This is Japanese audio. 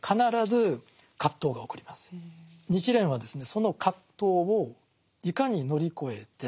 日蓮はですね